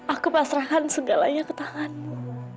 aku pasrahan segalanya ke tanganmu